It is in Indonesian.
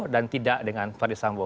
dan tidak dengan verisambo